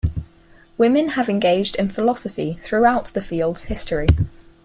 Women have engaged in philosophy throughout the field's history.